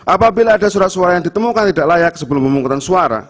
apabila ada surat suara yang ditemukan tidak layak sebelum pemungutan suara